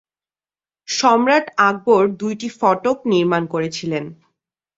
সম্রাট আকবর দুইটি ফটক নির্মাণ করেছিলেন।